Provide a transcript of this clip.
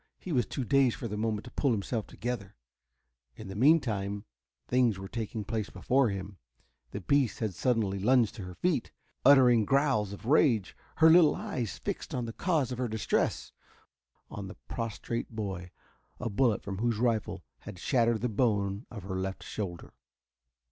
He was too dazed for the moment to pull himself together. In the meantime things were taking place before him. The beast had suddenly lunged to her feet, uttering growls of rage, her little eyes fixed on the cause of her distress, on the prostrate boy, a bullet from whose rifle had shattered the bone of her left shoulder.